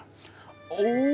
お！